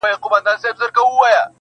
• بيا به يې خپه اشـــــــــــــنا.